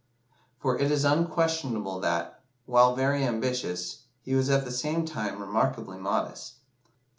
For it is unquestionable that, while very ambitious, he was at the same time remarkably modest.